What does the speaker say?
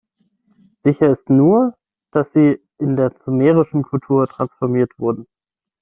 Sicher ist nur, dass sie in der sumerischen Kultur transformiert wurden.